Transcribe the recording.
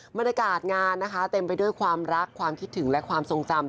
บรรยากาศงานนะคะเต็มไปด้วยความรักความคิดถึงและความทรงจำ